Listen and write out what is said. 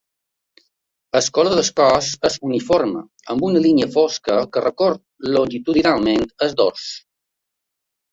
El color del cos és uniforme, amb una línia fosca que recorre longitudinalment el dors.